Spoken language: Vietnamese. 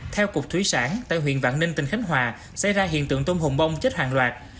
theo cục thủy sản tại huyện vạn ninh tỉnh khánh hòa xảy ra hiện tượng tôm hồng bông chết hàng loạt